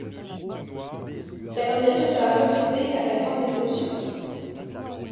Sa candidature sera refusée, à sa grande déception.